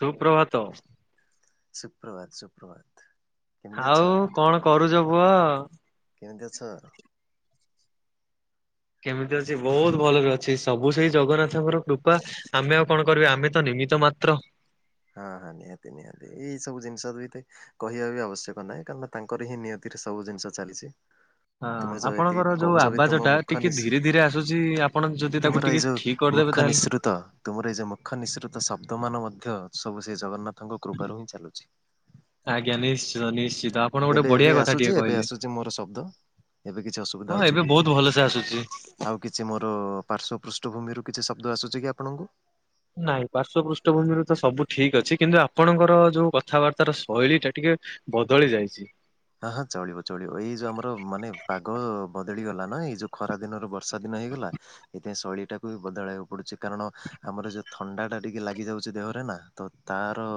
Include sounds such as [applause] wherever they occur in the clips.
ସୁପ୍ରଭାତ। Hello ସୁପ୍ରବାତ ସୁପ୍ରବାତ। ଆଉ କଣ କରୁଛ ପୁଅ? କେମିତି ଅଛ? କେମିତି ଅଛି ବହୁତ ଭଲରେ ଅଛି ସବୁ ସେଇ ଜଗନ୍ନାଥଙ୍କର କୃପା। ଆମେ ଆଉ କଣ କରିବ ଆମେ ତ ନିମିତ ମାତ୍ର। ହଁ ହଁ ନିହାତି ନିହାତି ଏଇ ସବୁ ଜିନିଷ ବିଏତେ କହିବା ବି ଆବଶ୍ୟକ ନାହିଁ କାରଣନା ତାଙ୍କର ହି ନିୟତିରେ ସବୁ ଜିନିଷ ଚାଲିଛି। ହଁ ତୁମେ ଯୋଉ ଏତିକି ଆପଣଙ୍କର ଯୋଉ କହୁଛ ବି ତୁମ ଆବାଜଟା ମୁଖ ଟିକେ ନିଶ୍ରୁ ଧୀରେ ଧୀରେ ଆସୁଛି ଆପଣ ଯଦି ତାକୁ ଟିକେ ଠିକ କରିଦେବେ ମୁଖ୍ୟ ତାହେଲେ ନିସୃତ ତୁମର ଏ ଯଉ ମୁଖ ନିଃସୃତ ଶବ୍ଦ ମାନ ମଧ୍ୟ ସବୁ ସେ ଜଗନ୍ନାଥ ତାଙ୍କ କୃପାରୁ ହିଁ ଚାଲୁଛି। ଆଜ୍ଞା ନିଶ୍ଚିତ ନିଶ୍ଚିତ ଆପଣ ଗୋଟେ ଏବେ ଏବେ ବଢିଆ କଥା ଆସୁଛି ଟିକେ ଏବେ କହିଲେ। ଆସୁଛି ମୋର ଶବ୍ଦ। ଏବେ କିଛି ଅସୁବିଧା ହଁ ହଉଛି ଏବେ କି। ବହୁତ ଭଲସେ ଆସୁଛି। ଆଉ କିଛି ମୋର ପାର୍ଶ୍ଵ ପୃଷ୍ଠଭୂମିରୁ କିଛି ଶବ୍ଦ ଆସୁଛି କି ଆପଣଙ୍କୁ? ନାଇଁ ପାର୍ଶପୃଷ୍ଠଭୂମିରେ ତ ସବୁ ଠିକ ଅଛି କିନ୍ତୁ ଆପଣଙ୍କର ଯୋଉ କଥାବାର୍ତ୍ତାର ଶୈଳୀଟା ଟିକେ ବଦଳି ଯାଇଛି। ହଁ ହଁ ଚଳିବ ଚଳିବ ଏଇ ଯୋଉ ଆମର ମାନେ ପାଗ ବଦଳିଗଲା ନା ଏଇ ଯୋଉ ଖରା ଦିନରୁ ବର୍ଷା ଦିନ ହେଇଗଲା। ଏଥିପାଇଁ ଶୈଳୀଟାକୁ ବି ବଦଳାଇବାକୁ ପଡୁଛି କାରଣ ଆମର ଯୋଉ ଥଣ୍ଡା ଟା ଟିକେ ଲାଗି ଯାଉଛି ଦେହରେ ନା। ତ ତାର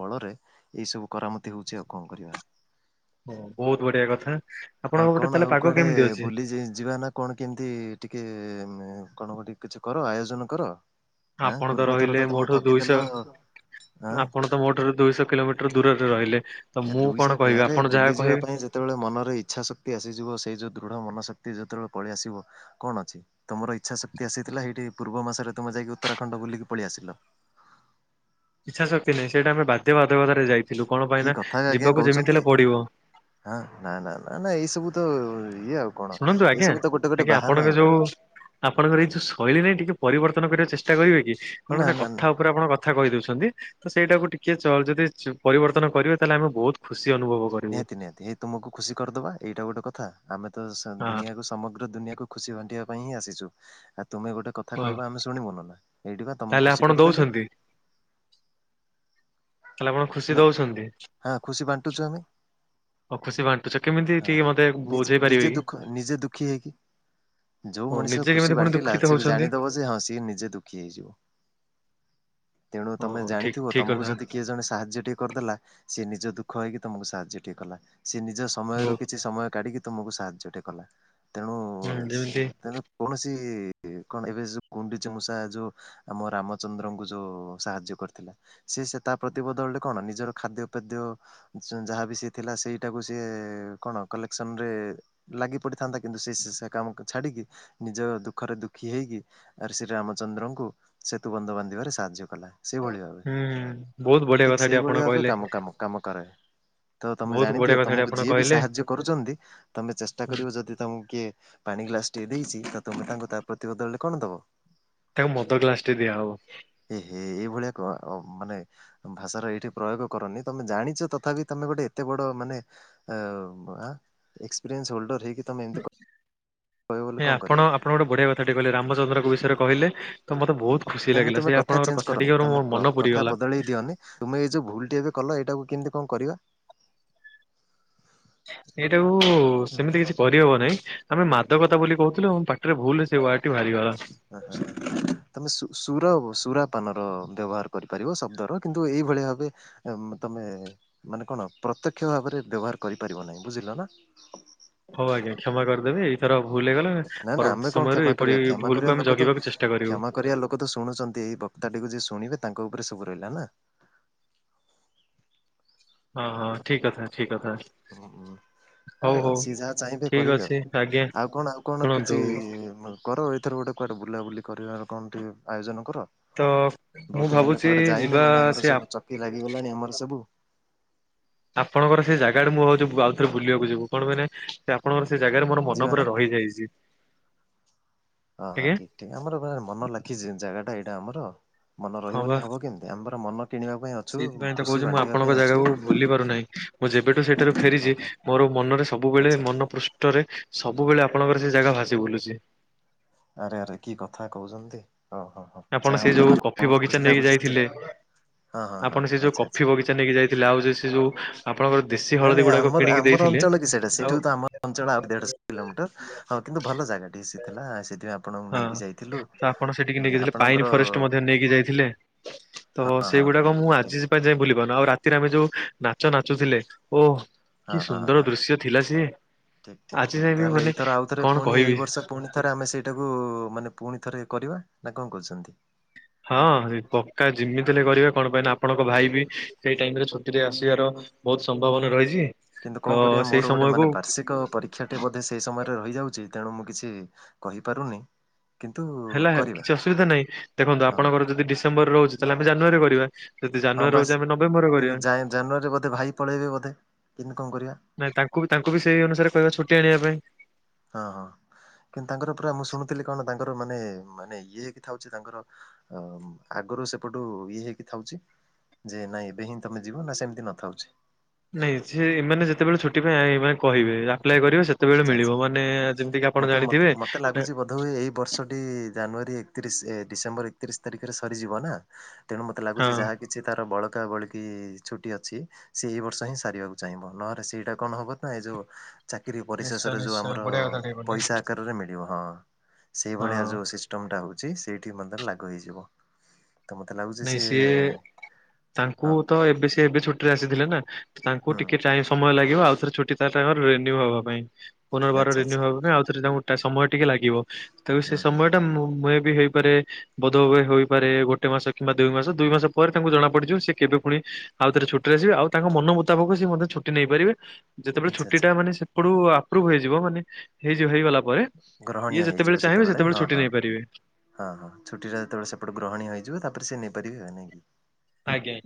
ବଳରେ ଏଇ ସବୁ କରାମତି ହଉଛି ଆଉ କଣ କରିବା। ହଁ ବହୁତ ବଢିଆ କଥା। ଆଉ ଆପଣଙ୍କ ପଟେ କଣ ତାହେଲେ ଆଉ ପାଗ କୁଆଡେ କେମିତି ଅଛି? ବୁଲି ଯି-ଯିବା ନା କଣ କେମିତି ଟିକେ କଣ ଉଁ କଣ ଗୋଟେ କିଛି କର ଆୟୋଜନ କର। ହଁ ଆପଣ ପୂର୍ବ ଥର ରହିଲେ ତ ତମେ ମୋଠୁ ଦୁଇଶହ ଠକିଦଲ ହଁ। ଆପଣ ମୋଠାରୁ ଦୁଇଶହ କିଲୋମିଟର ଦୂରରେ ରହିଲେ ତ ଏ ମୁଁ କଣ ଦୁଇଶହ କହିବି କିଆରେ ଆପଣ ଯାହା ବୁଲି ଯିବା କହିବେ। ପାଇଁ ଯ ଯେତେବେଳେ ମନରେ ଇଚ୍ଛାଶକ୍ତି ଆସିଯିବ ସେଇ ଯେଉଁ ଦୃଢ଼ ମନଶକ୍ତି ଯେତେବେଳେ ପଳେଇ ଆସିବ। କଣ ଅଛି ତମର ଇଚ୍ଛା ଶକ୍ତି ଆସିଥିଲା ଏଇଠି ପୂର୍ବ ମାସରେ ତମେ ଯାଇକି ଉତ୍ତରାଖଣ୍ଡ ବୁଲିକି ପଳେଇ ଆସିଲ। ଇଚ୍ଛା ଶକ୍ତି ନାହିଁ ସେଇଟା ଆମେ ବାଦ୍ୟ ବାଧକତାରେ ଯାଇଥିଲୁ କଣ କି ପାଇଁନା କଥା ଆଜ୍ଞା ଯିବାକୁ ଯେମିତି କହୁଛନ୍ତି ହେଲେ ପଡିବ। ହଁ ନା ନା ନା ନା ଏଇ ସବୁ ତ ଇଏ ଆଉ କଣ ଶୁଣନ୍ତୁ ଏଇ ଆଜ୍ଞା ସବୁ ତ ଗୋଟେ ଗୋଟେ ଆଜ୍ଞା ଆପଣଙ୍କ ବାହାନା ଆଉ ଯୋଉ କଣ? ଆପଣଙ୍କର ଏଇ ଯଉ ଶୈଳିରେ ଟିକେ ପରିବର୍ତ୍ତନ କରିବା ଚେଷ୍ଟା କରିବେ କି କଣ ନା ମ ନା ନା କଥା ଉପରେ ଆପଣ କ କଥା କହି ଦଉଛନ୍ତି ତ ସେଇଟାକୁ ଟିକେ ଚ ଯଦି ପରିବର୍ତ୍ତନ କରିବେ ତାହେଲେ ଆମେ ବହୁତ ଖୁସି ଅନୁଭବ କରିବୁ। ନିହାତି ନିହାତି ହେଇ ତୁମକୁ ଖୁସି କରିଦବା ଏଇଟା ଗୋଟେ କଥା ଆମେ ତ ସା ହଁ ଦୁନିଆକୁ ସମଗ୍ର ଦୁନିଆକୁୁ ଖୁସି ବାଣ୍ଟିବା ପାଇଁ ହିଁ ଆସିଛୁ ଆଉ ତୁମେ ଗୋଟେ କଥା ଓ କହିବା ଆମେ ଶୁଣିବୁଣୁନା ଏଇଠି ପା ତମୁକ ତାହେଲେ ଖୁସି ଆପଣ କରିଦେଲୁ। ଦଉଛନ୍ତି ତାହେଲେ ଆପଣ ଖୁସି ନାଇଁ ଦଉଛନ୍ତି। ହଁ ଖୁସି ବାଣ୍ଟୁଛୁ ଆମେ। ଆଉ ଖୁସି ବାଣ୍ଟୁଛ କେମିତି ହଁ ଟିକେ ମତେ ନିଜ ବୁଝେଇ ପାରିବେ କି? ନିଜେ ଦୁଃଖ ନିଜେ ଦୁଃଖୀ ହେଇକି ଯୋଉ ହଉ ମଣିଷ ନିଜେ ଖୁସି କେମିତି ପୁଣି ବାଣ୍ଟିଲା ଦୁଃଖିତ ସେ ବି ହଉଛନ୍ତି ଜାଣିଦବ ଯେ ହଁ ସିଏ ନିଜେ ଦୁଃ ହେଇଯିବ ତେଣୁ ହଉ ତମେ ହଉ ଠିକ ଜାଣିଥିବ ଠିକ ତମକୁ କଥା ଯଦି ଜଣେ ସାହାଯ୍ୟ ଟିକେ କରିଦେଲା ସିଏ ନିଜ ଦୁଃଖ ହେଇକି ତମକୁ ସାହାଯ୍ୟ ଟେ କଲା ସେ ନିଜ ସମୟରୁ ବହୁତ କିଛି ସମୟ କାଢ଼ିକି ତୁମକୁ ସାହାଯ୍ୟଟେ କଲା ତେଣୁ ହୁଁ ସେ ଯେମିତି ତେଣୁ କୌଣସି କଣ ଏବେ ଯୋଉ କୁଣ୍ଡିଚି ମୂଷା ଯୋଉ- ଆମ ରାମଚନ୍ଦ୍ରଙ୍କୁ ଯୋଉ ସାହାଯ୍ୟ କରିଥିଲା ସିଏ ସେ ତା ପ୍ରତି ବଦଳରେ କଣ ନିଜର ଖାଦ୍ୟ ପେଦ୍ୟ ଯାହାବି ସେ ଥିଲା ସେଇଟାକୁ ସିଏ କଣ କଲେକ୍ସନ ରେ ଲାଗି ପଡିଥାନ୍ତା କିନ୍ତୁ ସେ ସେ କାମ ଛାଡିକି ନିଜ ଦୁଃଖରେ ଦୁଃଖୀ ହେଇକି ଆ ଶ୍ରୀରାମଚନ୍ଦ୍ରଙ୍କୁ ସେତୁ ବନ୍ଧ ବାନ୍ଧିବାରେ ସାହାଯ୍ୟ କଲା। ସେଇଭଳି ଭାବେ ହୁଁ ବହୁତ ବଢିଆ ଠିକ କଥାଟେ ସେଇଭଳି ଆପଣ ଭାବେ କହିଲେ। କାମ କାମ କାମ କରେ। ତ ତମେ ବହୁତ ଜାଣି ବଢିଆ ଦିଅ କଥାଟି ତମକୁ ଆପଣ ଯିଏ ବି କହିଲେ ସାହାଯ୍ୟ କରୁଛନ୍ତି ତମେ ଚେଷ୍ଟା ହୁଁ, କରିବ ଯଦି ତମକୁ କିଏ ପାଣି ଗ୍ଲାସ୍ ଟିଏ ଦେଇଛି ତ ତୁମେ ତାଙ୍କୁ ତା ପ୍ରତିବଦଳରେ କଣ ଦେବ? ତାଙ୍କୁ ମଦ ଗ୍ଲାସ୍ ଟେ ଦିଆ ହବ। ହେ ହେ ଏଇଭଳିଆ କ ଅ ମାନେ ଭାଷାର ଏଠି ପ୍ରୟୋଗ କରନି। ତମେ ଜାଣିଛ ତଥାପି ତମେ ଗୋଟେ ଏତେ ବଡ ମାନେ ଅ ପୁରା ଏକ୍ସପ୍ରେନ୍ସ ହୋଲ୍ଡର ହେଇକି ତମେ ଏମିତି କହିବ ବୋଲି ନାଇଁ କଣ କରିବା। ଆପଣ, ଆପଣ ଗୋଟେ ବଢିଆ କଥା ଟେ କହିଲେ, ରାମଚନ୍ଦ୍ରଙ୍କ ବିଷୟରେ କହିଲେ। ତ ମତେ ବୋହୁତ୍ ଖୁସି ନାଇଁ ନାଇଁ ଲାଗିଲା। ତମେ ସେ ଆପଣଙ୍କର ଚେଞ୍ଜ କଥା କରନି ଟିକେ କର ତମେ ମୋର ମନ କଥା ପୁରିଗଲା। ବଦଳେଇ ଦିଅନି ତୁମେ ଏଇ ଯୋଉ ଭୁଲ୍ ଟି ଏବେ କଲ, ଏଇଟାକୁ କେମିତି କଣ କରିବା? ଏଇଟାକୁ ସେମିତି କିଛି କରିହବନାହିଁ, ଆମେ ମାଦକତା ବୋଲି କହୁଥିଲୁ। ପା ଟିରେ, ଭୁଲ୍ ରେ ସେଇ ୱାର୍ଡ ଟି ଭାହାରିଗଲା। ଆହାଁ, ହାଁ, ହାଁ। ତମେ ଶୁ-ସୁରବ, ସୁରା ପାନର ବ୍ୟବହାର କରିପାରିବ ଶବ୍ଦର, କିନ୍ତୁ ଏଇଭଳି ଭାବେ ଆମ୍ ତମେ, ମାନେ କଣ ପ୍ରତ୍ୟକ୍ଷ ଭାବରେ ବ୍ୟବହାର କରିପାରିବ ନାହିଁ ବୁଝିଲ ନା। ହଉ ଆଜ୍ଞା କ୍ଷମା କରିଦେବେ। ଏଇଥର ଭୁଲ୍ ହେଇଗଲା। ନା ନା, ପରବର୍ତ୍ତୀ ଆମେ କଣ ସମୟରେ କ୍ଷମା ଏପରି କରିବା, କ୍ଷମା ଭୁଲକୁ କରିବା ଆମେ ଲୋକ ତ ଜଗିବାକୁ ଚେଷ୍ଟା କରିବୁ କ୍ଷମା କରିବା ଲୋ ଲୋକ ତ ଶୁଣୁଛନ୍ତି, ଏଇ ବକ୍ତା ଟିକୁୁ ଯିଏ ଶୁଣିବେ ତାଙ୍କ ଉପରେ ସବୁ ରହିଲା ନା। ହଁ ହଁ, ଠିକ୍ କଥା ଠିକ୍ କଥା। ହୁଁ ଉଁ। ହଉ ଆଉ ହଉ ସିଏ ଯାହା ଚାହିଁବେ ଠିକ କରିବେ ଅଛି ଆଉ। ଆଜ୍ଞା ଆଉ କଣ, ଆଉ କଣ ଶୁଣନ୍ତୁ କିଛି କର, ଏଇଥର ଗୋଟେ କୁଆଡେ ବୁଲାବୁଲି କରିବା କଣ ଟିକେ ଆୟୋଜନ କର। ତ ମୁଁ ବୋହୁତ୍ ଦିନ୍ ହେଲେ ଭାବୁଛି କୁଆଡେ ଯାଇନେ ଯିବା ମାନେ ସେ ଆମର ଆ ସବୁ ଚକି ଲାଗିଗଲାଣି ଆମର ସବୁ। ଆପଣଙ୍କର ସେ ଜାଗା ଆଡ଼େ ମୁଁ ଭାବୁଛି ଆଉ ଥରେ ବୁଲିବାକୁ ଯିବୁ। କଣ କହି ସେ ଆପଣଙ୍କର ସେ ଜାଗାରେ ମୋର ଯିବା ମନ ନା। ପୁରା ରହିଯାଇଛି। ହଁ ହଁ। ଆଜ୍ଞା ଠିକ୍ ଠିକ୍ ଆମର ବା ମନ ଲାଖି ସେ ଜାଗା ଟା ଏଇଟା ଆମର। ମନ ହଁ ବା ରହିବନି ହବ କେମିତି? ଆମେ ପରା ମନ କିଣିବା ପାଇଁ ଅଛୁ ସେଇଥିପାଇଁ ତ ଖୁସି କହୁଛି ମୁଁ ବାଣ୍ଟିବା ପାଇଁ ଆପଣଙ୍କ ଅଛୁ ଜାଗାକୁ ଭୁଲି ପାରୁନାହିଁ। ମୁଁ ଯେବେଠୁ ସେଇଠାରୁ ହଁ ଫେରିଛି ହଁ। ମୋର ମନରେ ସବୁବେଳେ ଆଚ୍ଛା ମନ ପୃଷ୍ଠରେ ସବୁବେଳେ, ଆପଣଙ୍କର ସେ ଜାଗା ଭାସି ବୁଲୁଛି। ଆରେ ଆରେ କି କଥା କହୁଛନ୍ତି? ଓହୋ। ଆପଣ ସେ ଯୋଉ କଫି ବଗିଚା ନେଇକି ଯାଇଥିଲେ। ହଁ ହଁ ହଁ ଆପଣ ସେ ଯୋଉ ଆଚ୍ଛା ଆଚ୍ଛା। କଫି ବଗିଚା ବଗିଚା ନେଇକି ଯାଇଥିଲଥିଲେ। ଆଉ ସେ ଯୋଉ ଆପଣଙ୍କର ଦେଶୀ ନାଇଁ ହଳଦୀ ନାଇଁ ଗୁଡାକ ଆମର କିଣିକି ଆମର ଦେଇଥିଲେ ଅଞ୍ଚଳ କି ସେଇଟା? ଆଉ ସେଇଠୁ ତ ଆମ ଅଞ୍ଚଳ ଆଉ ଦେଢ କିଲୋମିଟର ହଁ କିନ୍ତୁ ଭଲ ଜାଗା ଟି ସେ ଥିଲା। ସେଥିପାଇଁ ଆପଣଙ୍କୁ ହଁ ନେଇକି ଯାଇଥିଲୁ। ତ ଆପଣ ସେଠିକି ନେଇକିଥିଲେ। ପାଇନ୍ ଆପଣଙ୍କର ଫରେଷ୍ଟ ମଧ୍ୟ ନେଇକି ଯାଇଥିଲେ। ତ ହଁ ହଁ ହଁ ସେଇଗୁଡାକ ମୁଁ ଠିକ ଠିକ ଆଜି ସି ପାଇଁ ଯାଇ ଭୁଲି ପାରୁନି। ଆଉ ରାତିରେ ଆମେ ଯୋଉ ନାଚ ନାଚୁଥିଲେ। ଓ ହଁ କି ହଁ ସୁନ୍ଦର ହଁ। ଦୃଶ୍ୟ ଥିଲା ସିଏ। ଠିକ୍ ଠିକ୍ ଆଜି ଠିକ୍ ଯାଏ ବିି ତାହେଲେ ମାନେ, ଏଇଥର ଆଉ ଥରେ କଣ ପୁଣି ଏଇ କହିବି? ବର୍ଷ ପୁଣି ଥରେ ଆମେ ସେଇଟାକୁ ମାନେ ଫୁଣି ଥରେ କରିବା ନା କଣ କରୁଛନ୍ତି? ହଁ ପକ୍କା ଯେମିତି ହେଲେ କରିବା। କଣ ପାଇଁ ନା ଆପଣଙ୍କ ହଁ ଭାଇ ବି ହଁ। ସେଇ ଟାଇମ୍ ରେ ଛୁଟିରେ ଆସିବାର ବୋହୁତ୍ ସମ୍ଭାବନା ରହିଛି। କିନ୍ତୁ ତ କଣ କରିବା ସେଇ ମୋର ଗୋଟେ ସମୟକୁ ମାନେ ବାର୍ଷିକ୍ କ ପରୀକ୍ଷା ଟି ବୋଧେ ସେଇ ସମୟରେ ରହିଯାଉଛି, ତେଣୁ ମୁଁ କିଛି କହିପାରୁନି। କିନ୍ତୁ ହେଲା ହେ କରିବା କିଛି ଅସୁବିଧା ନାହିଁ, ଦେଖନ୍ତୁ ହଁ ଆପଣଙ୍କର ଯଦି ଡିସେମ୍ବରରେ ରହୁଛି ତାହେଲେ ଆମେ ଜାନୁଆରୀ ରେ କରିବା। ଯଦି ହଁ ବାସ୍। କିନ୍ତୁ ଯାଏ-ଜାନୁଆରୀରେ ବୋଧେ ଭାଇ ପଳେଇବେ ବୋଧେ ଫୁଣି କମ କରିବା? ନାଇଁ ତାଙ୍କୁ ବି ତାଙ୍କୁ ବି ସେଇ ଅନୁସାରେ କହିବା ଛୁଟି ଆଣିବା ପାଇଁ। ହଁ ହଁ, କିନ୍ତୁ ତାଙ୍କର ପୁରା ମୁଁ ଶୁଣୁଥିଲି କଣ ତାଙ୍କର ମାନେ ମାନେ ଇଏକିଥାଉଛି ତାଙ୍କର ଅ ଆଗରୁ ସେପଟୁ ଇଏ ହେଇକି ଥାଉଛି। ଯେ ନାଇଁ ଏବେ ହିଁ ତମେ ଯିବ ନା ସେମିତି ନଥାଉଚି। ନାଇଁ ସେ ଏମାନେ ଯେତେବେଳେ ଛୁଟି ପାଇଁ ଏ ମାନେ କହିବେ ଆପ୍ଲା କରିବେ ସେତେବେଳେ ଆଚ୍ଛା ଆଚ୍ଛା ମିଳିବ। ମାନେ ଯେମିତି କିି ଆପଣ ଜାଣିଥିବେ ନା ବଧୂଏ ଏହି ବର୍ଷଟି ଜାନୁଆରୀ ଏକତିରିସ୍ ଡିସେମ୍ବର ଏକତିରିମିସ୍ ତାରିଖରେ ସରିଯିବ ନା ତେଣୁ ମତେ ଲାଗୁଛି ହଁ। ଯାହା କିଛି ତାର ବଳକା ବଳକି ଛୁଟି ଅଛି ସେ ଏଇ ବର୍ଷ ହିଁ ସାରିବାକୁ ଚାହିଁବ। ନହରେ ସେଇଟା କଣ ହବ ନା ଏଇ ଯୋଉ ଚାକିରୀ ନିଶ୍ଚୟ ପରିଶେଷରେ ଯୋଉ ନିଶ୍ଚୟ ଆମର ବଢିଆ କଥା ଟିକେ କହିଲେ। ପଇସା ଆକାରରେ ମିଳିବ ହଁ। ସେଇଭଳିଆ ହଁ ଯୋଉ ସି ଷ୍ଟମଟା ହଉଛି, ସେଇଠି ମଧ୍ୟ ଲାଗୁ ହେଇଯିବ। ତ ମତେ ଲାଗୁଛି ନାଇଁ ସିଏ, ତାଙ୍କୁ ହଁ ତ ଏବେ ସିଏ ଏବେ ଛୁଟିରେ ଆସିଥିଲେ ନା, ତ ତାଙ୍କୁ ହୁଁ ଟିକେ ଚାଏନ୍ସ ସମୟ ଲାଗିବ, ଆଉଥରେ ଛୁଟି ତାହେଲେ ହେବ ରେନ୍ୟୁ ହବା ପାଇଁ। ପୁନର୍ବାର ଆଚ୍ଛା ରିନ୍ୟୁ ଆଚ୍ଛା ହବା ପାଇଁ ଆଉଥରେ ତାଙ୍କୁ ଟା ସମୟ ଟିକେ ଲାଗିବ। ତାକୁ ହୁଁ ସେ ହୁଁ ସମୟଟା ମୁଁ ମେ ବି ହେଇପାରେ ବୋଧ ହୁଏ ହୋଇପାରେ, ଗୋଟେ ମାସ କିମ୍ବା ଦୁଇମାସ। ଦୁଇମାସ ପରେ ତାଙ୍କୁ ଜଣା ପଡିଯିବ, ସେ କେବେ ପୁଣି ଆଉଥରେ ଛୁଟିରେ ଯିବେ ଆଉ ତାଙ୍କ ମନ ମୁତାବକ ସିଏ ମଧ୍ୟ ଛୁଟି ନେଇପାରିବେ। ଯେତେବେଳେ ଆଚ୍ଛା ଆଚ୍ଛା ଛୁଟିଟା ମାନେ ସେପଟୁ ଆପ୍ରୁଭ ହେଇଯିବ ମାନେ ହେଇଯିବ ହେଇଗଲା ପରେ, ଗ୍ରହଣୀୟ ଇଏ ହେଇଯିବ ଯେତେବେଳେ ଚାହିଁବେ ସେତେବେଳେ ହଁ ଛୁଟି ହଁ ନେଇପାରିବେ। ହଁ ହଁ। ଛୁଟିଟା ଯେତେବେଳେ ସେପଟେ ଗ୍ରହଣୀୟ ହେଇଯିବ, ତାପରେ ସିଏ ନେଇପାରିବେ ଆଉ ନାଇଁକି? ଆଜ୍ଞା।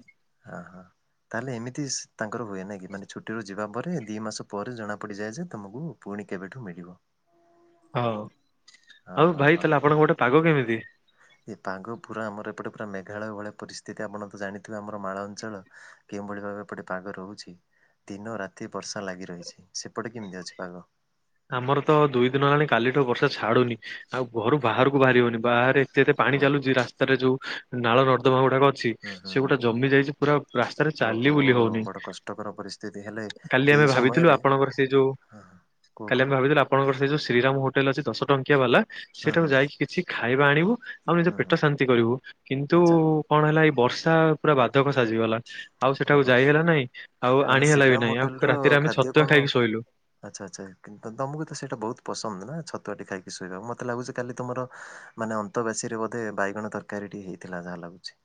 ହଁ ହଁ। ତାହେଲେ ଏମିତି ତାଙ୍କର ହୁଏ ନାହିଁ କି, ମାନେ ଛୁଟିରୁ ଯିବା ପରେ ଦି ମାସ ପରେ ଜଣା ପଡିଯାଏ ଯେ, ତମକୁ ପୁଣି କେବେଠୁ ମିଳିବ। ହଉ ହଉ। ହଁ ଆଉ ହଁ ଭାଇ ହଁ ତାହେଲେ ଆପଣଙ୍କ ପଟେ ପାଗ କେମିତି? ଏ ପାଗ ପୁରା ଆମର ଏପଟେ ପୁରା ମେଘାଳୟ ଭଳିଆ ପରିସ୍ଥିତି, ଆପଣ ତ ଜାଣିଥିବେ ଆମ ମାଳ ଅଞ୍ଚଳ କେଉଁଭଳି ଭାବେ ଏପଟେ ପାଗ ରହୁଛି ଦିନ ରାତି ବର୍ଷା ଲାଗି ରହିଛି। ସେପଟେ କେମତି ଅଛି ପାଗ? ଆମର ତ ଦୁଇ ଦିନ ହେଲାଣି କାଲିଠୁ ବର୍ଷା ଛାଡୁନି, ଆଉ ଘରୁ ବାହାରକୁ ବାହାରି ହଉନି। ବାହାରେ ଯେତେ ପାଣି ଓହୋ ଚାଲୁଛି, ରାସ୍ତାରେ ଯୋଉ ନାଳ ନର୍ଦ୍ଦମା ଗୁଡାକ ଅଛି ହୁଁ ହୁଁ ହୁଁ ସେଗୁଡା ଜମି ଯାଇଛି, ପୁରା ରାସ୍ତାରେ ଓହୋ ଚାଲି ବୁଲି ହଉନି। ବଡ କଷ୍ଟକର ପରିସ୍ଥିତି ହେଲେ କାଲି ଏଇ ଆମେ ଭାବିଥିଲୁ, ସମୟରେ ଆପଣଙ୍କର ସେ ଯୋଉ ହଁ। କୁହ କାଲି କୁହ ଆମେ ଭାବିଥିଲୁ ଆପଣଙ୍କର ସେଇ ଯୋଉ ଶ୍ରୀରାମ ହୋଟେଲ ଅଛି ଦଶ ଟଙ୍କିଆ ବାଲା, ହୁଁ ସେଇଟାକୁ ହୁଁ ଯାଇକି କିଛି ଖାଇବା ଆଣିବୁ ଆଉ ନିଜ ହୁଁ ହୁଁ ପେଟ ଶାନ୍ତି କରିବୁ। କିନ୍ତୁ ଆଚ୍ଛା କଣ ହେଲା ଏଇ ବର୍ଷା ପୁରା ବାଧକ ସାଜିଗଲା। ଆଉ ସେଠାକୁ ଓହୋ ଯାଇ ହେଲା ନାହିଁ, ଆଉ ମାନେ ଆଣି ହେଲା ବି ଶ୍ରୀରାମ ନାହିଁ, ହୋଟେଲ ଆଉ ର ରାତିରେ ଆମେ ଖାଦ୍ୟ ଛତୁଆ କଣ ଖାଇକି ଶୋଇଲୁ। ଆଚ୍ଛା ଆଚ୍ଛା। କିନ୍ତୁ ତମକୁ ତ ସେଇଟା ବହୁତ ପସନ୍ଦ ନା, ଛତୁଆ ଟିକେ ଖାଇକି ଶୋଇବାକୁ। ମତେ ଲାଗୁଛି କାଲି ତମର ମାନେ ଅନ୍ତ ବେଶୀରେ ବୋଧେ ବାଇଗଣ ତରକାରୀଟି ହେଇଥିଲା ଯାହା ଲାଗୁଛି।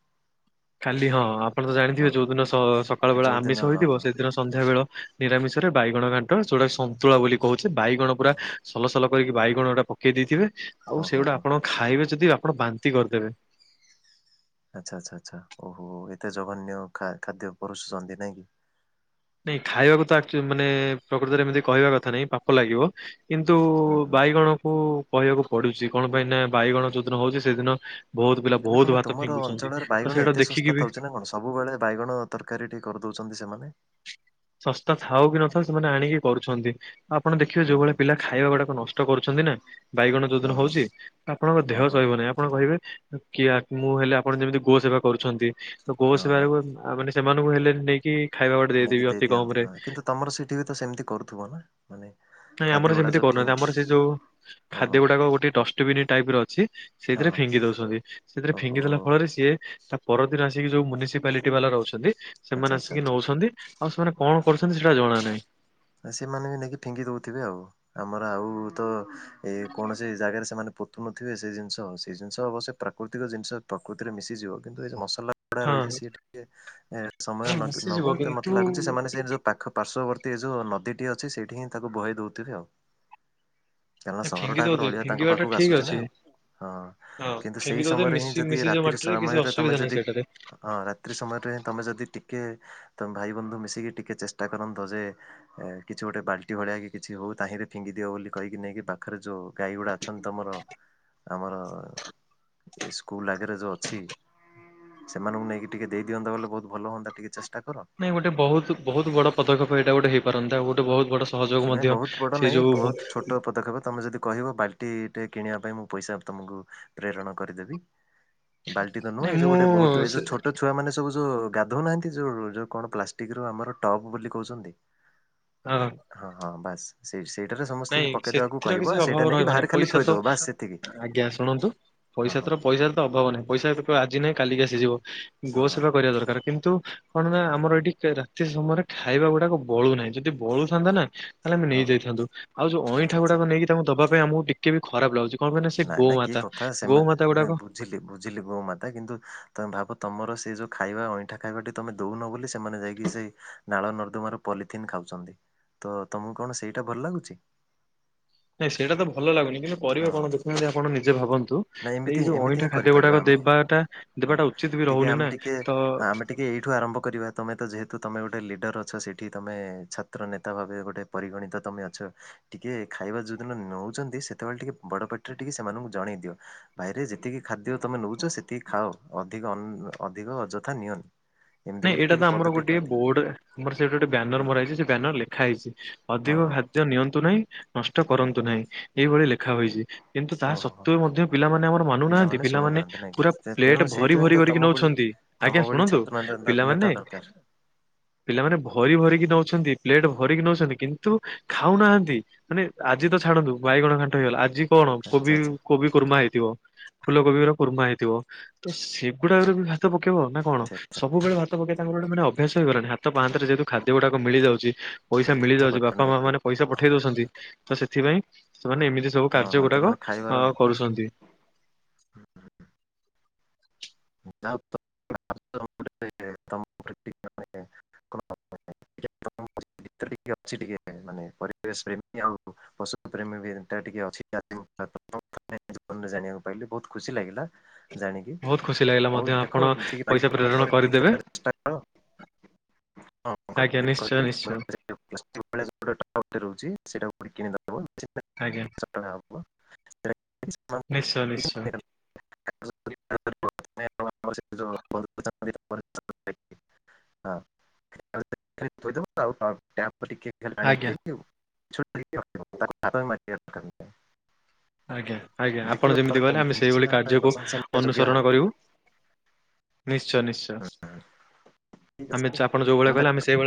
ଖାଲି ହଁ। ଆପଣ ତ ଜାଣିଥିବେ ହଁ ହଁ ଯୋଉଦିନ ସ-ସକାଳ ବେଳା ଯୋଉଦିନ ଆମିଷ ହଁ ହୋଇଥିବ ହଁ ସେଦିନ ହଁ ସନ୍ଧ୍ୟାବେଳ ନିରାମିଷରେ ବାଇଗଣ ଘାଣ୍ଟ, ଯୋଉଟା ସନ୍ତୁଳା ବୋଲି କହୁଛେ। ବାଇଗଣ ପୁରା ହଁ ସଲ ସଲ କରିକି ବାଇଗଣ ଗୁଡ଼ା ପକେଇ ଦେଇଥିବେ, ଆଉ ଓ ହୋ ସେଇଗୁଡ଼ା ହୋ ଆପଣ ଖାଇବେ ଯଦି ଆପଣ ବାନ୍ତି କରିଦେବେ। ଆଚ୍ଛା ଆଚ୍ଛା ଆଚ୍ଛା, ଓହୋ। ଏତେ ଜଘନ୍ୟ ଖା-ଖାଦ୍ୟ ପରଷୁଛନ୍ତି ନାଇଁକି? ନାଇଁ ଖାଇବାକୁ ଆକଚୁ ମାନେ ପ୍ରକୃତରେ ଏମିତି କହିବା କଥା ନାଇଁ ପାପ ଲାଗିବ ହୁଁ କିନ୍ତୁ ହୁଁ ହୁଁ ବାଇଗଣକୁ କହିବାକୁ ପଡୁଛି। କଣ ପାଇଁ ନା ବାଇଗଣ ଯୋଉ ଦିନ ହଉଛି ସେଇଦିନ ବହୁତ ପିଲା ହେଲେ କଣ ବହୁତ ଭାତ ତୁମର ଫିଙ୍ଗୁଛନ୍ତି, ତ ସେଇଟା ଦେଖିକି ବି ତମ ଭଳିଆ ବାଇଗଣ ତରକାରୀଟିଏ କରିଦଉଛନ୍ତି ସେମାନେ ଶସ୍ତା ଥାଉ କି ନଥାଉ ସେମାନେ ଆଣିକି କରୁଛନ୍ତି। ଆପଣ ଦେଖିବେ ହଁ ଯୋଉଭଳିଆ ହଁ ପିଲା ଖାଇବା ଗୁଡାକ ନଷ୍ଟ କରୁଛନ୍ତି ନା, ବାଇଗଣ ଯୋଉ ହଁ ଦିନ ହଁ ହଉଛି, ଆପଣଙ୍କ ଦେହ ହଁ ହଁ ସହିବନେଇ। ଆପ ଆପଣ କହିବେ କି ମୁଁ ହେଲେ ଆପଣ ଯେମିତି ଗୋ ସେବା କରୁଛନ୍ତି, ତ ଗୋ ହଁ ସେବା ହଁ ବି ଆ ମାନେ ସେମାନଙ୍କୁ ହେଲେ ନେଇକି ଖାଇବା ଗୋଟେ ନେଇକି ଦେଇଦେବି ଦେଇ ଅତି ଦିଅନ୍ତି କମରେ। ହଁ କିନ୍ତୁ ତମର ସେଠି ବି ତ ସେମତି କରୁଥିବ ନା? ମାନେ ନାଇଁ ଖାଦ୍ୟ ଆମର ଗୁଡା ସେମିତି ଯୋଉ ଠିକ କରୁନାହାଁନ୍ତି। ଆମର ସେ ଯୋଉ ଓହୋ ଖାଦ୍ୟ ଗୁଡାକ ଗୋଟେ ଡଷ୍ଟବିନ୍ ଟାଇପର ଅଛି ହଁ ସେଇଥିରେ ହଁ ଫିଙ୍ଗି ଦଉଛନ୍ତି। ସେଥିରେ ଓହୋ ଫିଙ୍ଗିଦେଲା ଫଳରେ ସିଏ ତା ପରଦିନ ଆସିକି ଯୋଉ ମ୍ୟୁନିସିପାଲିଟି ବାଲା ରହୁଛନ୍ତି, ଆଚ୍ଛା ସେମାନେ ଆଚ୍ଛା ଆସିକି ଆଚ୍ଛା ନଉଛନ୍ତି ଆଉ ସେମାନେ କଣ କରୁଛନ୍ତି, ସେଇଟା ଜଣା ନାହିଁ। ଆ ସେମାନେ ବି ନେଇକି ଫିଙ୍ଗି ଦଉଥିବେ ଆଉ। ଆମର ଆଉ ତ ଏଇ କୌଣସି ଜାଗାରେ ସେମାନେ ପୋତୁ ନଥିବେ ସେ ଜିନିଷ, ସେଇ ଜିନିଷ ଅବଶ୍ୟ ପ୍ରାକୃତିକ ଜିନିଷ, ପ୍ରକୃତିରେ ମିଶିଯିବ କିନ୍ତୁ ଏ ଯୋଉ ମସଲା ସଲା ହଁ ରହିଚି ସିଏ ଟିକେ ସମୟ ହଁ ନବ, ମିଶିଯିବ ତ କିନ୍ତୁ ମତେ ଲାଗୁଛି ସେମାନେ ସେ ଯୋଉ ପାଖ ପାର୍ଶ୍ୱବର୍ତ୍ତୀ ଯୋଉ ନଦୀଟି ଅଛି ସେଇଠି ହିଁ ତାକୁ ବୋହେଇ ଦଉଥିବେ ଆଉ। କାହିଁକ ନା ସହର ଫିଙ୍ଗି ଠାକର ଦଉଥିବେ ଅଳିଆ ତାଙ୍କ ଫିଙ୍ଗିବା ଟା ପାଖକୁ ଠିକ ଆସୁଛି ନା ଅଛି। ଆଉ। ହଁ କିନ୍ତୁ ଫିଙ୍ଗି ସେଇ ଦଉଥିବେ ସମୟରେ ହିଁ ମିଶି ଯଦି ମିଶିଯିବ ରାତି ମାଟିରେ କିଛି ସମୟରେ ଅସୁବିଧା ତମେ ନାହିଁ ଯଦି ସେଇଟାରେ। ହଁ ରାତ୍ରି ସମୟରେ ହଁ ତୁମେ ଯଦି ଟିକେ ତମେ ଭାଇ ବନ୍ଧୁ ମିଶିକି ଟିକିେ ଚେଷ୍ଟା କରନ୍ତ ଯେ ଏ କିଛି ଗୋଟେ ବାଲ୍ଟି ଭଳିଆ କି କିଛି ହଉ ତାହିଁରେ ଫିଙ୍ଗି ଦିଅ ବୋଲି କହିକି ନେଇକି ପାଖରେ ଯୋଉ ଗାଈ ଗୁଡା ଅଛନ୍ତି ତମର? ଆମର ସ୍କୁଲ ଆଗରେ ଯୋଉ ଅଛି। ସେମାନଙ୍କୁ ନେଇକି ଟିକେ ଦେଇ ଦିଅନ୍ତ ବୋଇଲେ ବହୁତ ଭଲ ହୁଅନ୍ତା ଟିକେ ଚେଷ୍ଟା କର। ନାଇଁ ଗୋଟେ ବହୁ ବହୁତ ବଡ ପଦକ୍ଷେପ ଏଇଟା ଗୋଟେ ହେଇପାରନ୍ତା ଗୋଟେ ଭଉତୁ ବଡ଼ ନାଇଁ ବହୁତ ବଡ ନାଇଁ ବହୁତ ଛୋଟ ପଦକ୍ଷେପ ତମେ ଯଦି କହିବ ବାଲ ସେ ଟେ କିଣିବା ପାଇଁ ମୁଁ ପଇସା ତମକୁ ପ୍ରେରଣ କରିଦେବି। ବାଲଟି ତୁହେଁ ନାଇଁ ମୁଁ ଏଯୋଉଁ ବହୁତ ଯଉ ସେ ଛୋଟ ଛୋଟ ଛୁଆ ମାନେ ସବୁ ଯୋଉ ଗାଧଉନାହାନ୍ତି ଯୋଉ ଯୋଉ କଣ ପ୍ଲାଷ୍ଟିକ ର ଆମର ଟପ୍ ବୋଲି କହୁଛନ୍ତି? ହଁ। ହଁ ହଁ ବାସ୍। ସେ ସେଇଟାରେ ନାଇଁ ସମସ୍ତଙ୍କୁ ପକେଇଦବାକୁ ସେଥିର କିଛି କହିବ ଅଭାବ ସେଇଟା ନେଇକି ରହିବନି ବାହାରେ ଖାଲି ପଇସା ତ ଥୋଇଦବ ବାସ ସେତିକି। ଆଜ୍ଞା ଶୁଣନ୍ତୁ ହଁ ପଇସା ହଁ ତର ପଇସାରେ ତ ଅଭାବ ନାହିଁ ପଇସା ଆଜି ନାହିଁ କାଲିକି ଆସିଯିବ ହଁ ଗୋ ସେବା କରିବା ଦରକାର କିନ୍ତୁ କଣ ନା ଆମର ଏଇଠି ରାତି ସମୟରେ ଖାଇବା ଗୁଡାକ ବଳୁ ନାହିଁ ଯଦି ବଳୁଥାନ୍ତା ନା ତାହେଲେ ଆମେ ହଁ ହଁ ହଁ ନେଇଯାଇଥାନ୍ତୁ। ଆଉ ଯଉ ଅଁଇଠା ଆଚ୍ଛା ଆଚ୍ଛା ଗୁଡାକ ନେଇକିତାଙ୍କୁ ଦବା ପାଇଁ ଆମକୁ କେବେ ବି ଖରାପ ଲାଗୁଛି କଣ ପାଇଁ ନା ସେ ନାଇଁ ନାଇଁ କି ଗୋମାତା କଥା ସେମାନେ ଗୋମାତା ନାଇଁ ଗୁଡାକ ବୁଝିଲି ବୁଝିଲି ଗୋ ମାତା କିନ୍ତୁ ତମେ ଭାବ ତମର ସେଇ ଯୋଉ ଖାଇବା ଅଇଁଠା ଖାଇବା ତମେ ଦଉନ ବୋଲି ସେମାନେ ଯାଇକି ସେ ନାଳ ନର୍ଦ୍ଦୁମାରୁ ପଲିଥିନ୍ ଖାଉଛନ୍ତି। ତ ତମକୁ କଣ ସେଇଟା ଭଲ ଲାଗୁଛି? ନାଇଁ ସେଇଟା ତ ଭଲ ଲାଗୁନି କିନ୍ତୁ ହଁ କରିବେ କଣ ଦେଖୁହାନ୍ତି। ଆପଣ ନିଜେ ଭାବନ୍ତୁ। ନାଇଁ ଏଇ ଏମିତି ଯୋଉ ଏମିତି ଅଇଁଠା ହିଁ ଖାଦ୍ୟ କରିପାରିବା ଗୁଡାକ ଆମେ ଦେବାଟା ଦେବାଟା ଉଚିତ ବି ରହୁନି ନା ତ ଟିକିେ ଏଇଠୁ ଆରମ୍ଭ କରିବା ତୁମେ ତ ଯେହେତୁ ତୁମେ ଗୋଟେ ଲିଡ଼ର୍ ଅଛ ସେଇଠି ଛାତ୍ର ନେତା ଭାବେ ଗୋଟେ ପରିଗଣିତ ତମେ ଅଛ। ଟିକେ ଖାଇବା ଯୋଉଦିନ ନେଉଛନ୍ତି ସେତେବେଳେ ଟିକେ ବଡ ପାଟିରେ ଟିକେ ସେମାନଙ୍କୁ ଜଣେଇ ଦିଅ। ବାଇରେ ଯେତିକି ଖାଦ୍ୟ ତମେ ନଉଛ ସେତିକି ଖାଅ ଅଧିକ ଅଧିକ ଅଯଥା ନିଅନି। ଏମିତି ନାଇଁ ବୋଲି ଏଇଟା ଟିକେ ତ ଆମର ପଦଟେ ଗୋଟେ କହିଦିଅ ବୋର୍ଡ ଆମର ସେଇଟା ଗୋଟେ ବ୍ୟାନର ହଁ ମରା ହେଇଛି ସେ ବାନର ଲେଖା ହେଇଛି। ହଁ ଅଧିକ ହଁ ଖାଦ୍ୟ ନିଅନ୍ତୁ ନାହିଁ ନଷ୍ଟ କରନ୍ତୁ ହଁ ହଁ ନାହିଁ। ଏଇଭଳି ଲେଖା ହୋଇଛି କିନ୍ତୁ ତାହା ଓହୋ ହୋ ସତ୍ତ୍ୱେ ମଧ୍ୟ ପିଲାମାନେ ଆମର ନାହାନ୍ତି, ପିଲାମାନେ ଶୁଣୁନାହାନ୍ତି ନାଇଁ ପୁରା କି ତେଣୁ ପ୍ଲେଟ ଭରି ସେଇଥିପାଇଁ ତ ଭରିିକି ତମ ଭଳି ନଉଛନ୍ତି ତମ ଆଜ୍ଞା ଭଳି ଶୁଣନ୍ତୁ, ଛାତ୍ର ନେତା ପିଲାମାନେ ଦରକାର ପିଲାମାନେ ଭରି ଭରିକି ନଉଛନ୍ତି ପ୍ଲେଟ ଭରିକି ନଉଛନ୍ତି କିନ୍ତୁ ଖାଉନାହାନ୍ତି ମାନେ ଆଜି ତ ଛାଡନ୍ତୁ ବାଇଗଣ ଖାଣ୍ଟ ହେଇଗଲା ଆଜି କଣ ଆଚ୍ଛା କୋବି ଆଚ୍ଛା କୋବି କୁର୍ମା ହେଇଥିବ ଫୁଲ କୋବିର କୁର୍ମା ହେଇଥିବ ତ ସେ ଗୁଡାରେ ଓହୋ ବି ଭାତ ପକେଇବ ନା କଣ। ଆଚ୍ଛା ସବୁବେଳେ ଭାତ ପକେଇ ତାଙ୍କର ଗୋଟେ ମେ ଅଭ୍ୟାସ ହେଇଗନି। ହାତ ପାହାରେ ଆଚ୍ଛା ଯେ ଖାଦ୍ୟ ଗୁଡାକ ମିଳିଯାଉଛି ପଇସା ମିଳିଯାଉଛି ବାପା ଓହୋ ମା ମାନେ ପଇସା ପଠେଇ ଦଉଛନ୍ତି। ତ ସେଥିପାଇଁ ସେମାନେ ଏମିତି ସବୁ ହଁ ହଁ କାର୍ଯ୍ୟ ତ ଗୁଡାକ ମାନେ ଖାଇବାର ଅ କରୁଛନ୍ତି। ଆଉ କ ଗୀତରେ ଟିକେ ଅଛି ଟିକେ ମାନେ ପରିବେଶ ପ୍ରେମୀ ଆଉ। ପଶୁ ପ୍ରେମୀ ବି ଟିକେ ଅଛି [unintelligible] ଜୀବନରେ ଜାଣିବାକୁ ପାଇଲେ ବହୁତ ଖୁସି ଲାଗିଲା। ଜାଣିକି ବହୁତ ଖୁସି ଲାଗିଲା ହଉ ମଧ୍ୟ ଦେଖ ଆପଣ ଯିଏ ପଇସା ପ୍ରେରଣ କି କରିଦେବେ [unintelligible] ଆଜ୍ଞା ନିଶ୍ଚୟ ନିଶ୍ଚୟ। [inaudible] ଆଜ୍ଞା। ନିଶ୍ଚୟ ନିଶ୍ଚୟ [inaudible] [inaudible] ଆଜ୍ଞା। [unintelligible] [unintelligible] ଆଜ୍ଞା ଆଜ୍ଞା ଆପଣ ଦେଖିବ ଯେମିତି ତମେ କହଲେ ଆମେ ସେଇଭଳି ନିଶ୍ଚିନ୍ତ ଭାବେ କାର୍ଯ୍ୟକୁ ପ୍ରଶଂସନୀୟ ଯୋଗ୍ୟ ଅନୁସରଣ ହବ କରିବୁ। ନିଶ୍ଚୟ ନିଶ୍ଚୟ ଠିକ୍ ଆମେ ଅଛି ଚାପଣ ଯୋଉ ଭଳେ ପୁଣି କହିଲେ ଥରେ ଆମେ ସେଇଭଳିଆ